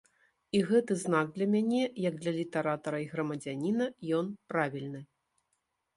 І гэты знак для мяне, як для літаратара й грамадзяніна, ён правільны.